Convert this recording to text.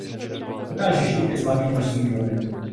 Dokáží žít i s malým množstvím vody.